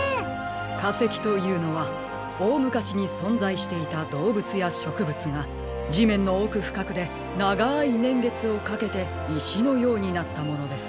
かせきというのはおおむかしにそんざいしていたどうぶつやしょくぶつがじめんのおくふかくでながいねんげつをかけていしのようになったものです。